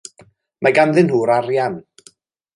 Mae ganddyn nhw'r arian.